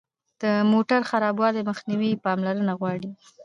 د موټر خرابوالي مخنیوی پاملرنه غواړي.